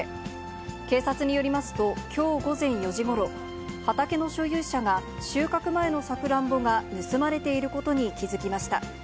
警察によりますと、きょう午前４時ごろ、畑の所有者が収穫前のサクランボが盗まれていることに気付きました。